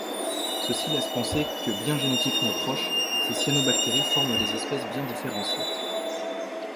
Ceci laisse penser que bien génétiquement proches, ces cyanobactéries forment des espèces bien différenciées.